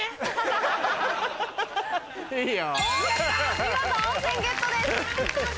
見事温泉ゲットです。